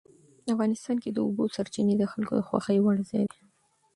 افغانستان کې د اوبو سرچینې د خلکو د خوښې وړ ځای دی.